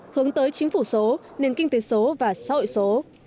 hướng tới chính phủ số nền kinh tế số và xã hội số